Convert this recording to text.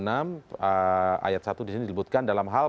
ayat satu disini disebutkan dalam hal